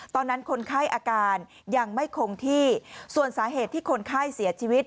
คนไข้อาการยังไม่คงที่ส่วนสาเหตุที่คนไข้เสียชีวิต